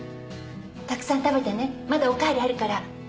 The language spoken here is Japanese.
たくさん食べてねまだおかわりあるから。